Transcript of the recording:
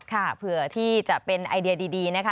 เพื่อที่จะเป็นไอเดียดีนะคะ